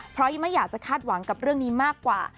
เพราะยังไม่อยากจะคาดหวังกับเรื่องนี้มากกว่า